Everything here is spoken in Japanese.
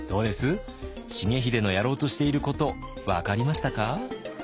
重秀のやろうとしていること分かりましたか？